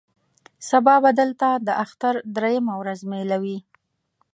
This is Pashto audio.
سبا به دلته د اختر درېیمه ورځ مېله وي.